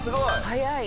早い。